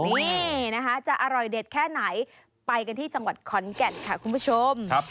นี่นะคะจะอร่อยเด็ดแค่ไหนไปกันที่จังหวัดขอนแก่นค่ะคุณผู้ชม